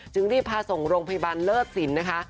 จึงรีบพาส่งโรงพยาบาลเลิศสินนะคะ